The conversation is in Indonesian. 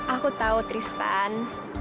aku tau tristan